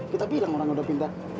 kita bilang orang udah pindah